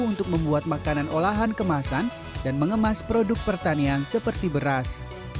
untuk membuat makanan olahan kemasan dan mengemas produk pertanian seperti beras